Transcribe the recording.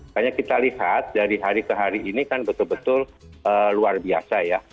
karena kita lihat dari hari ke hari ini kan betul betul luar biasa ya